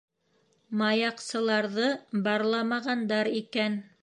Маяҡсыларҙы барламағандар икән.